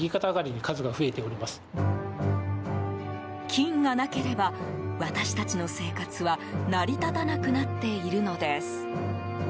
金がなければ、私たちの生活は成り立たなくなっているのです。